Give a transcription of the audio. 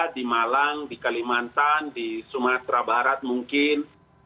di malang di kalimantan di sumatera barat mungkin